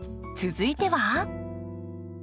続いては。